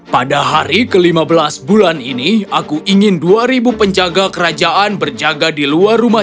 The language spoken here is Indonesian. pada hari ke lima belas bulan ini aku ingin dua ribu penjaga kerajaan berjaga di luar rumah